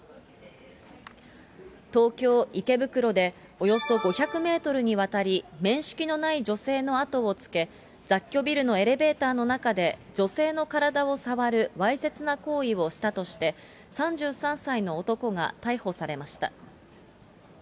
東京・池袋で、およそ５００メートルにわたり、面識のない女性の後をつけ、雑居ビルのエレベーターの中で女性の体を触るわいせつな行為をしたとして、３３歳の男が逮捕されました。